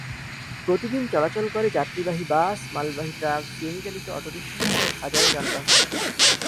প্রতিদিন চলাচল করে যাত্রীবাহী বাস, মালবাহী ট্রাক, সিএনজিচালিত অটোরিকশাসহ হাজারো যানবাহন।